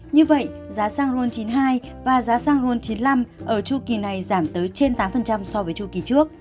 như vậy giá xăng ron chín mươi hai và giá xăng ron chín mươi năm ở chu kỳ này giảm tới trên tám so với chu kỳ trước